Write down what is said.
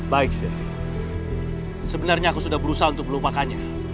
baik sebenarnya aku sudah berusaha untuk melupakannya